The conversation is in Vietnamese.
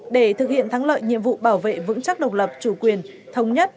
để thực hiện thắng lợi nhiệm vụ bảo vệ vững chắc độc lập chủ quyền thống nhất